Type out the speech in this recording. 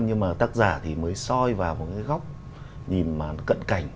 nhưng mà tác giả thì mới soi vào một cái góc nhìn mà cận cảnh